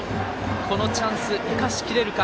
このチャンス生かしきれるか。